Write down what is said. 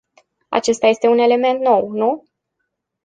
Acesta este un element nou, nu?